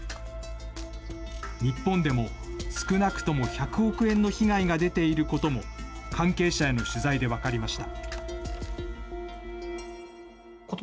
日本でも少なくとも１００億円の被害が出ていることも、関係者への取材で分かりました。